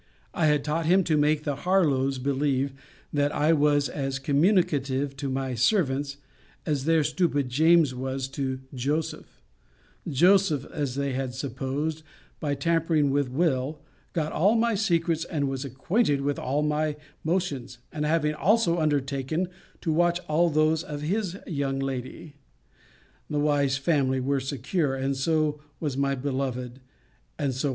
I had taught him to make the Harlowes believe, that I was as communicative to my servants, as their stupid James was to Joseph:* Joseph, as they supposed, by tampering with Will, got all my secrets, and was acquainted with all my motions: and having also undertaken to watch all those of his young lady, the wise family were secure; and so was my beloved; and so was I.